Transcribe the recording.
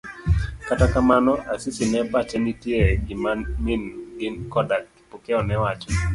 Kata kamano, Asisi ne pache nitie e gima min gi koda Kipokeo newacho.